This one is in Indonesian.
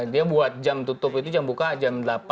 dia buat jam tutup itu jam buka jam delapan